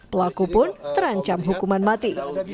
pelaku pun terancam hukuman mati